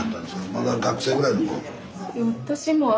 まだ学生ぐらいの頃？